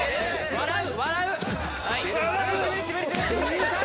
笑う！